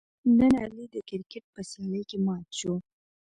نن علي د کرکیټ په سیالۍ کې مات شو.